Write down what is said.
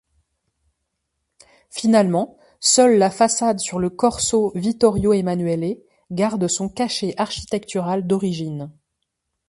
Finalement seule la façade sur le corso Vittorio Emmanuele garde son cachet architectural d'origine.